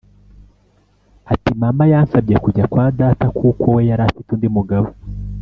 Ati “Mama yansabye kujya kwa Data kuko we yari afite undi mugabo